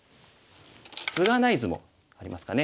ツガない図もありますかね。